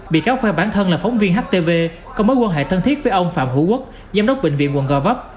bị cáo khoe bản thân là phóng viên htv có mối quan hệ thân thiết với ông phạm hữu quốc giám đốc bệnh viện quận gò vấp